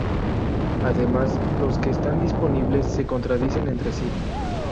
Además, los que están disponibles se contradicen entre sí.